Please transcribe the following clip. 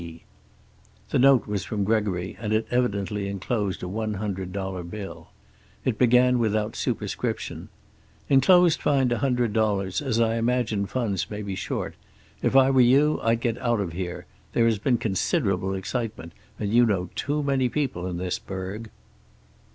D." The note was from Gregory and had evidently enclosed a one hundred dollar bill. It began without superscription: "Enclosed find a hundred dollars, as I imagine funds may be short. If I were you I'd get out of here. There has been considerable excitement, and you know too many people in this burg."